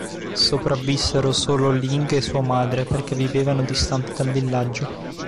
Sopravvissero solo Ling e sua madre perché vivevano distanti dal villaggio.